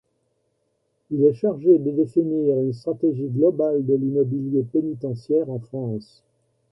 Il est chargé de définir une stratégie globale de l'immobilier pénitentiaire en France.